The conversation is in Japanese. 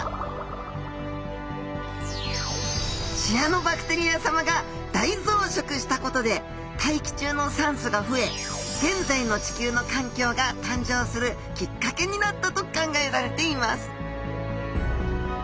シアノバクテリアさまが大増殖したことで大気中の酸素が増え現在の地球の環境が誕生するきっかけになったと考えられています